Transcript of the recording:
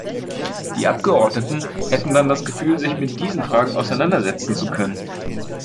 Die Abgeordneten hätten dann das Gefühl, sich mit diesen Fragen auseinandersetzen zu können.